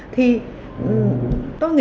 thì tôi nghĩ